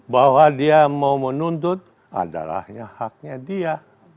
bahwa dia mau menuntut adalah haknya dia